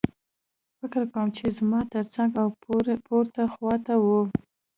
فکر کوم چې زما ترڅنګ او پورته خوا ته وو